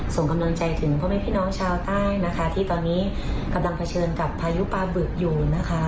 ส่งกำลังใจถึงพ่อแม่พี่น้องชาวใต้นะคะที่ตอนนี้กำลังเผชิญกับพายุปลาบึกอยู่นะคะ